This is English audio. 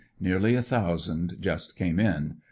Nearly a thous and just came in.